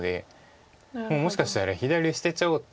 もうもしかしたら左捨てちゃおうっていう。